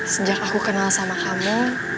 sejak aku kenal sama kamu